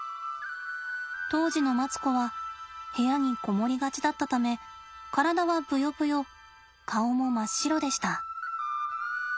当時のマツコは部屋に籠もりがちだったため体はぶよぶよ顔も真っ白でした。